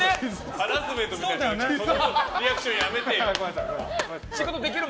ハラスメントみたいになってる。